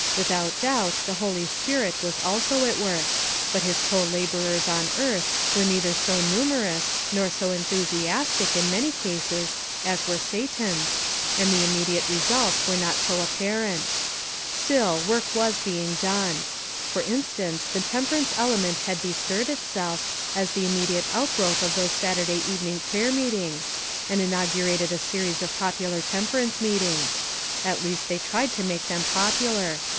Without doubt the Holy Spirit was also at work; but his co laborers on earth were neither so numerous, nor so enthusiastic, in many cases, as were Satan's, and the immediate results were not so apparent. Still work was being done. For instance the temper ance element had bestirred itself, as the immediate outgrowth of those Saturday even ing prayer meetings, and inaugurated a 'series of popular temperance meetings ; at least they tried to make them popular.